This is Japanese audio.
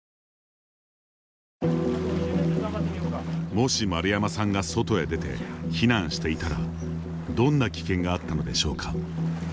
もし丸山さんが外へ出て避難していたらどんな危険があったのでしょうか。